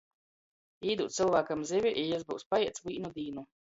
Īdūd cylvākam zivi, i jis byus paieds vīnu dīnu.